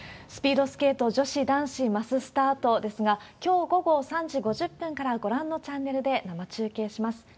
スピードスケート女子、男子、マススタートですが、きょう午後３時５０分から、ご覧のチャンネルで生中継します。